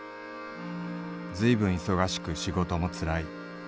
ずいぶん忙しく仕事もつらい。